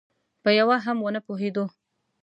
په یوه هم ونه پوهېدو.